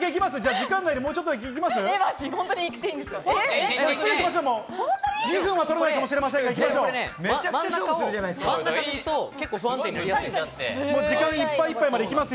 時間内にもうちょっとだけ行きます？